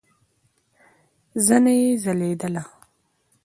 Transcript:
زنه يې ځليدله.